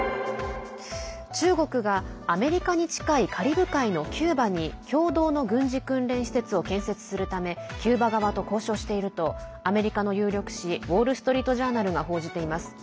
中国がアメリカに近いカリブ海のキューバに共同の軍事訓練施設を建設するためキューバ側と交渉しているとアメリカの有力紙ウォール・ストリート・ジャーナルが報じています。